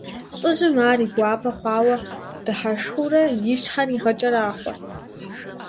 ЛӀыжьым ар и гуапэ хъуауэ дыхьэшхыурэ и щхьэр игъэкӀэрахъуэрт.